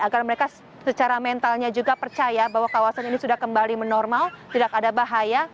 agar mereka secara mentalnya juga percaya bahwa kawasan ini sudah kembali menormal tidak ada bahaya